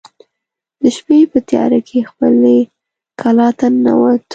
د شپې په تیاره کې خپلې کلا ته ننوت.